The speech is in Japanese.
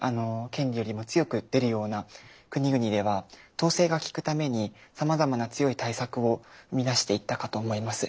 権利よりも強く出るような国々では統制がきくためにさまざまな強い対策を生み出していったかと思います。